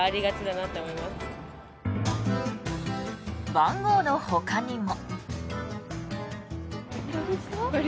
番号のほかにも。